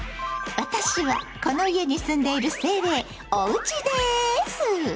私はこの家に棲んでいる精霊「おうち」です！